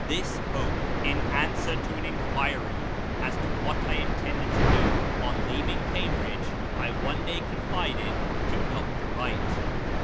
This hope, in answer to an inquiry as to what I intended to do on leaving Cambridge, I one day confided to Dr. Wright.